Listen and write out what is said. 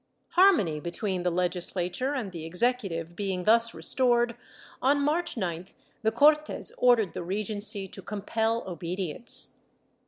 ^ Harmony between the legislature and the executive being thus restored, on March 9th the Cortes ordered the Regency to compel obedience.